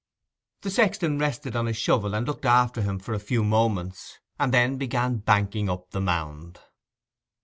The sexton rested on his shovel and looked after him for a few moments, and then began banking up the mound.